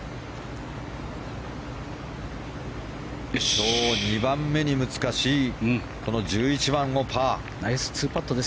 今日２番目に難しいこの１１番をパー。